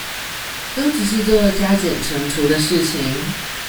都只是做加減乘除的事情